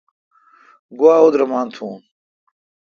گوا اودرمان تھون۔